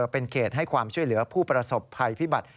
เป็นเขตให้ความช่วยเหลือผู้ประสบภัยพิบัติ